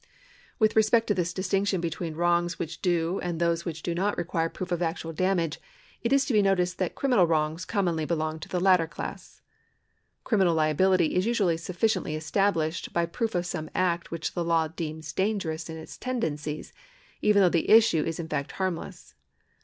With respect to this distinction between wrongs which do and those which do not, require proof of actual damage, it is to be noticed that criminal wrongs commonly belong to the latter class. Criminal liability is usually sufficiently estab lished by proof of some act which the law deems dangerous in its tendencies, even though the issue is in fact harmless.